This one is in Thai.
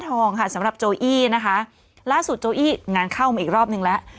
ทองค่ะสำหรับโจอี้นะคะล่าสุดโจอี้งานเข้ามาอีกรอบนึงแล้ว